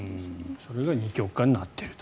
それが二極化になっていると。